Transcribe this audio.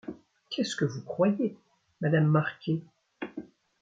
Qu’est-ce que vous croyez, Madame Marquet. ..